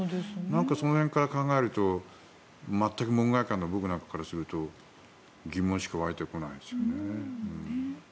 その辺から考えると全く門外漢の僕なんかからすると疑問しか湧いてこないですよね。